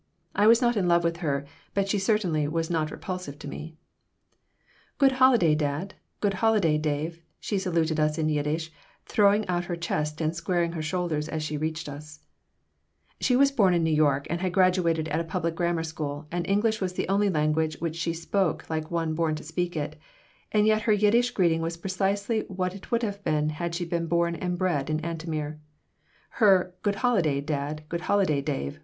I was not in love with her, but she certainly was not repulsive to me "Good holiday, dad! Good holiday, Dave!" she saluted us in Yiddish, throwing out her chest and squaring her shoulders as she reached us She was born in New York and had graduated at a public grammar school and English was the only language which she spoke like one born to speak it, and yet her Yiddish greeting was precisely what it would have been had she been born and bred in Antomir Her "Good holiday, dad. Good holiday, Dave!"